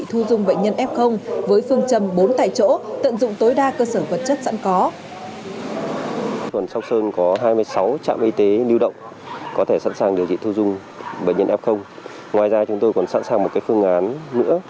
huyện sóc sơn còn có hai mươi sáu trạm y tế lưu động có thể sẵn sàng điều trị thu dung bệnh nhân f